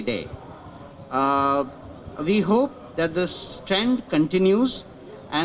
kami berharap keadaan ini terus berterusan